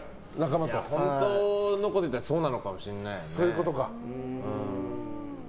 本当のこと言ったらそうなのかもしれないよね。